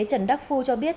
trần đắc phu cho biết